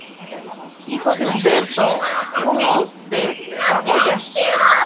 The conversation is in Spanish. Hijo de Humberto I de Saboya.